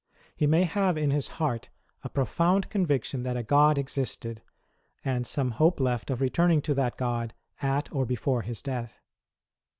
He may have in his heart a profound conviction that a God existed, and some hope left of returning to that God at or before his death.